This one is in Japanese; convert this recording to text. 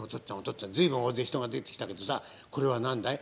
っつぁん随分大勢人が出てきたけどさこれは何だい？